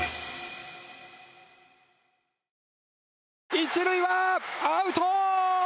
一塁はアウト！